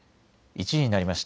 １時になりました。